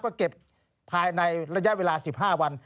ก็เก็บภายในระยะเวลา๑๕วัน